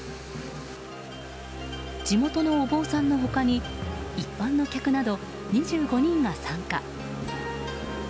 地元のお坊さんの他に一般の客など２５人が参加。